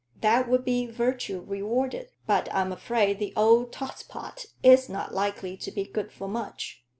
That would be virtue rewarded. But I'm afraid the old tosspot is not likely to be good for much.